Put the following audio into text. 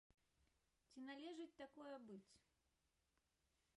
Ці належыць такое быць?